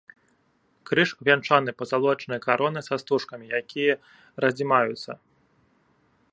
Крыж увянчаны пазалочанай каронай са стужкамі, якія раздзімаюцца.